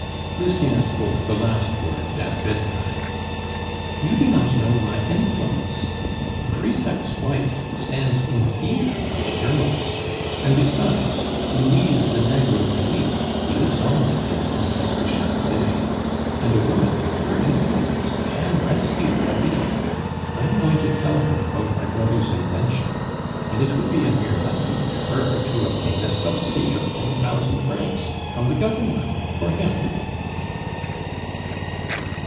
Lucien spoke the last word at bedtime: "You do not know my influence. The prefect's wife stands in fear of a journalist; and besides, Louise de Negrepelisse lives on in the Comtesse du Chatelet, and a woman with her influence can rescue David. I am going to tell her about my brother's invention, and it would be a mere nothing to her to obtain a subsidy of ten thousand francs from the Government for him."